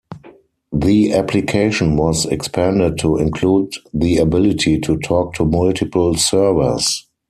The application was expanded to include the ability to talk to multiple servers.